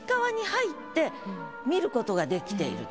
見ることができている。